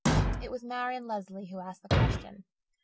It was Marian Lesley who asked the question.